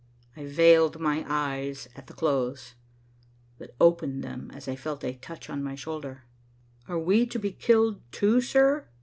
I veiled my eyes at the close, but opened them as I felt a touch on my shoulder. "Are we to be killed too, sir?"